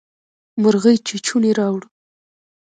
مرغۍ چوچوڼی راووړ.